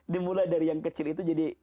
dimulai dari yang kecil itu jadi